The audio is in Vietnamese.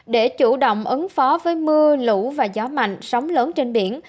để chủ động ứng phó với mưa lũ và gió mạnh sóng lớn trên biển